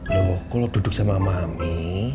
loh kalau duduk sama mami